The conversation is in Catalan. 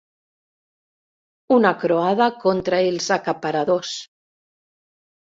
Una croada contra els acaparadors.